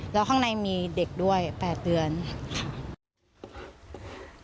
แล้วข้างในมีเด็กด้วย๘เดือนค่ะ